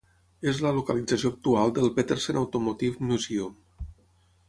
És la localització actual del Petersen Automotive Museum.